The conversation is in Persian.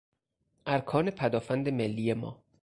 ارکان پدافند ملی ما